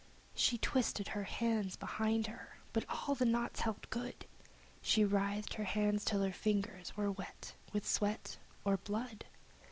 She twisted her hands behind her, but all the knots held good! She writhed her hands till her fingers were wet with sweat or blood!